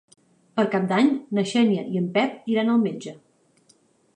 Per Cap d'Any na Xènia i en Pep iran al metge.